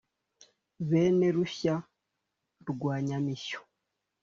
Bene Rushya rwa Nyamishyo